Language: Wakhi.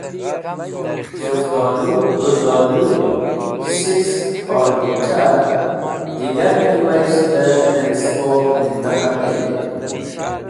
S̃hũftoluw, gũrdolũw, sisk, olũcha et digar meywayisht be dem spo mintaqah tey.